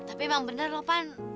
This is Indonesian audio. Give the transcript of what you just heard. tapi emang bener lopan